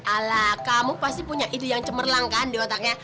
ala kamu pasti punya ide yang cemerlang kan di otaknya